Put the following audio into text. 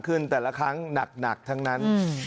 แต่ละครั้งหนักทั้งนั้น